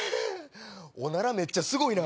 おならめっちゃすごいな！